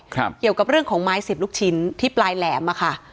เกี่ยวกับเรื่องของไม้สิบลูกชิ้นที่ปลายแหลมอ่ะค่ะ